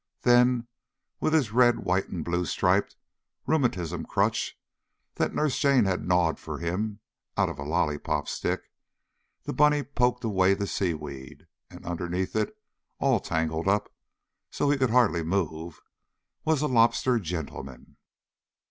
Then with his red, white and blue striped rheumatism crutch that Nurse Jane had gnawed for him out of a lollypop stick, the bunny poked away the seaweed, and underneath it, all tangled up so he could hardly move, was a Lobster gentleman.